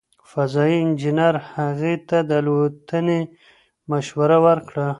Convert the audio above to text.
فضايي انجنیر هغې ته د الوتنې مشوره ورکړه.